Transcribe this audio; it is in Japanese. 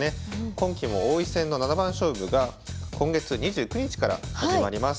今期も王位戦の七番勝負が今月２９日から始まります。